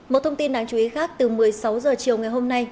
một thông tin đáng chú ý khác từ một mươi sáu h chiều ngày hôm nay